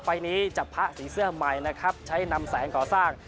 ไฟล์นี้จับพระสีเสื้อใหม่นะครับใช้นำแสงก่อสร้าง